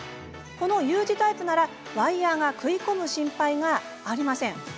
このＵ字タイプならワイヤーが食い込む心配がありません。